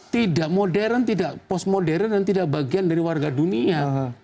tidak modern tidak post modern dan tidak bagian dari warga dunia